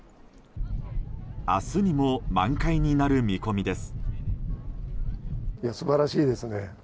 明日にも満開になる見込みです。